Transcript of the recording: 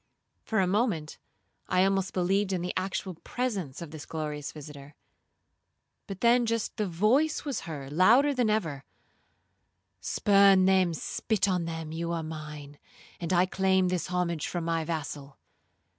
1 For a moment I almost believed in the actual presence of this glorious visitor, but just then the voice was heard louder than ever, 'Spurn them,—spit on them,—you are mine, and I claim this homage from my vassal.'